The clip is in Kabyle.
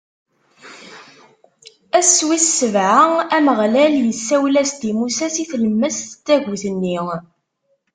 Ass wis sebɛa, Ameɣlal isawel-as-d i Musa si tlemmast n tagut-nni.